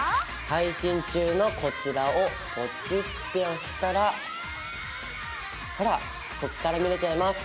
配信中のこちらをポチッて押したらほらこっから見れちゃいます！